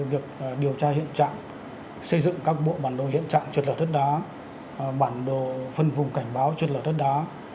được điều tra hiện trạng xây dựng các bộ bản đồ hiện trạng triệt lở thất đá bản đồ phân vùng cảnh báo triệt lở thất đá